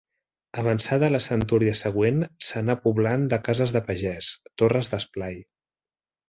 Avançada la centúria següent s'anà poblant de cases de pagès, torres d'esplai.